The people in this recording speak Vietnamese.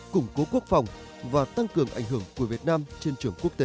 củng cố quốc phòng và tăng cường ảnh hưởng của việt nam trên trường quốc tế